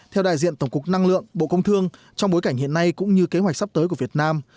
theo đại diện tổng cục năng lượng bộ công thương trong bối cảnh hiện nay cũng như kế hoạch sắp tới của việt nam